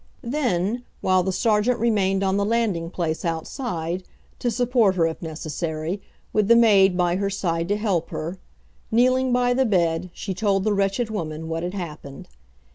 Then, while the sergeant remained on the landing place, outside, to support her, if necessary, with the maid by her side to help her, kneeling by the bed, she told the wretched woman what had happened.